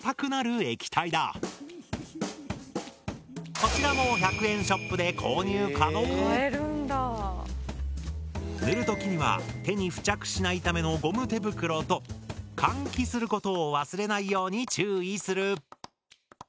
こちらも塗る時には手に付着しないためのゴム手袋と換気することを忘れないように注意する。